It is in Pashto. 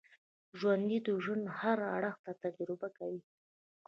ژوندي د ژوند هر اړخ تجربه کوي